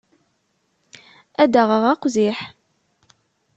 Ad d-aɣeɣ aqziḥ.